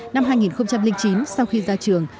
năm hai nghìn chín sau khi ra trường